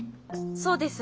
そうです。